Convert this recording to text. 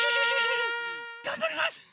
がんばります！